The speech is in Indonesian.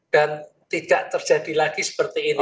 tidak terjadi lagi seperti ini